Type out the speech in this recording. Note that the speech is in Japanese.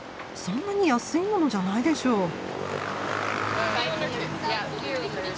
そんなに安いものじゃないでしょう？